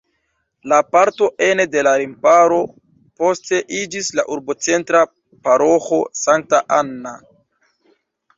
La parto ene de la remparo poste iĝis la urbocentra paroĥo Sankta Anna.